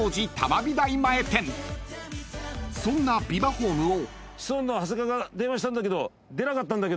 ［そんなビバホームを］